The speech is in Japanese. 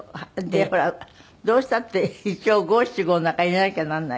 でほらどうしたって一応五七五の中に入れなきゃならないから。